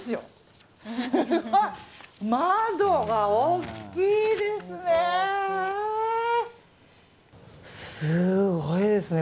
窓が大きいですね。